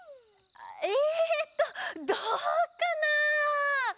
えっとどうかな？